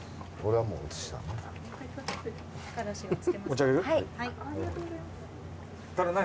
はい。